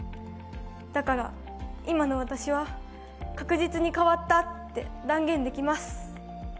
だから、今の私は確実に変わったって断言できます。